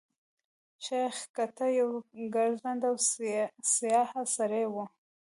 شېخ کټه يو ګرځنده او سیاح سړی وو.